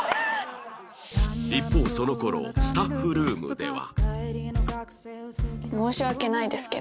一方その頃スタッフルームでは